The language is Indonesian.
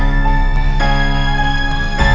gak usah nge subscribe ya